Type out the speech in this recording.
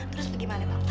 terus bagaimana bang